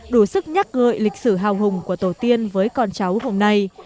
đủ sức nhắc gợi lịch sử hào hùng của tổ tiên với con cháu hôm nay